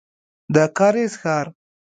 د کارېز ښار.